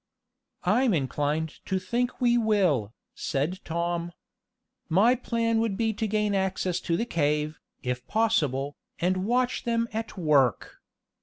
"I'm inclined to think we will," said Tom. "My plan would be to gain access to the cave, if possible, and watch them at work.